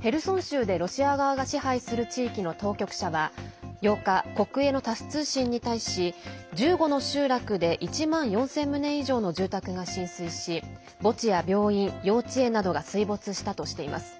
ヘルソン州で、ロシア側が支配する地域の当局者は８日国営のタス通信に対し１５の集落で１万４０００棟以上の住宅が浸水し墓地や病院、幼稚園などが水没したとしています。